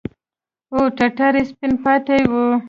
او ټټر يې سپين پاته وي.